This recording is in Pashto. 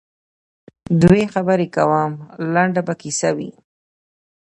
دوی خبري کوم لنډه به کیسه وي